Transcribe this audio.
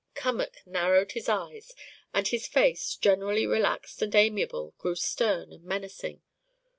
Cummack narrowed his eyes, and his face, generally relaxed and amiable, grew stern and menacing.